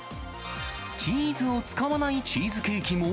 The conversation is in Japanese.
チーズを使わないチーズケーキも？